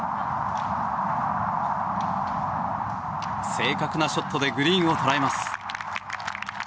正確なショットでグリーンを捉えます。